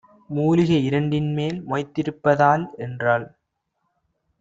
மூலிகை இரண்டின்மேல் மொய்த்திருப்ப தால்" என்றாள்.